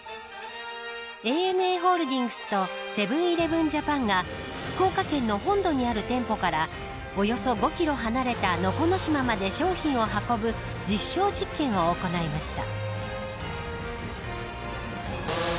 ＡＮＡホールディングスとセブン‐イレブン・ジャパンが福岡県の本土にある店舗からおよそ５キロ離れた能古島まで商品を運ぶ実証実験を行いました。